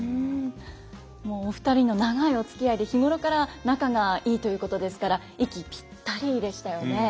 もうお二人の長いおつきあいで日頃から仲がいいということですから息ピッタリでしたよね。